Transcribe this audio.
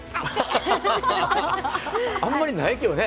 あんまりないけどね。